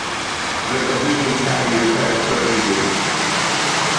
The condition can be repaired surgically.